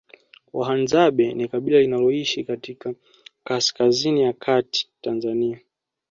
Wahadzabe ni kabila linaloishi katika kaskazini ya kati Tanzania